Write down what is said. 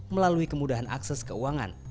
melalui kemudahan akses keuangan